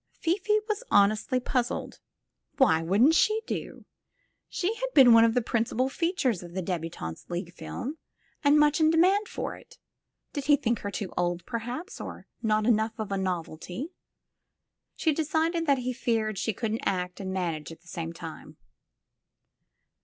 Fifi was honestly puzzled. Why wouldn't she do? She had been one of the principal features of the Debu tantes' League film and much in demand for it. Did he think her too old, perhaps, or not enough of a novelty T She decided that he feared she couldn't act and manage at the same time.